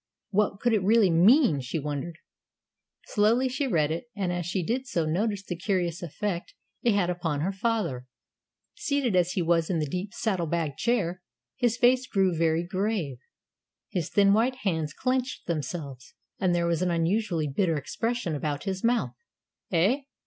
"What could it really mean?" she wondered. Slowly she read it, and as she did so noticed the curious effect it had upon her father, seated as he was in the deep saddle bag chair. His face grew very grave, his thin white hands clenched themselves, and there was an unusually bitter expression about his mouth. "Eh?"